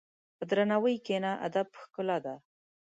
په درناوي کښېنه، ادب ښکلا ده.